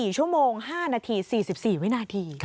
๔ชั่วโมง๕นาที๔๔วินาที